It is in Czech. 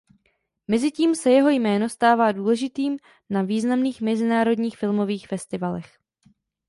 Mezi tím se jeho jméno stává důležitým na významných mezinárodních filmových festivalech.